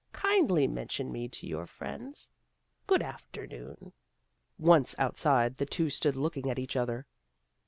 Kindly mention me to your friends. Good afternoon." Once outside, the two stood looking at each other.